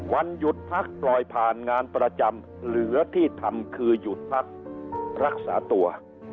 วันหยุดพักปล่อยผ่านงานประจำเหลือที่ทำคือหยุดพักรักษาตัว